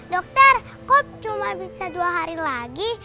dokter kok cuma bisa dua hari lagi